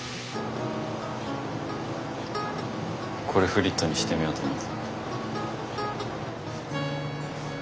これフリットにしてみようと思って。